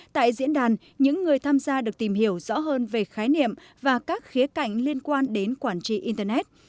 tham gia được tìm hiểu rõ hơn về khái niệm và các khía cạnh liên quan đến quản trị internet